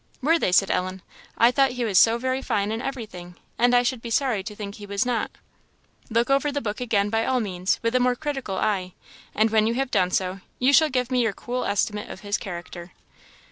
"Were they?" said Ellen. "I thought he was so very fine in everything; and I should be sorry to think he was not." "Look over the book again by all means, with a more critical eye; and when you have done so, you shall give me your cool estimate of his character."